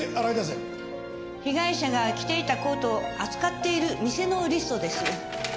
被害者が着ていたコートを扱っている店のリストです。